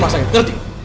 maksudnya siapa adel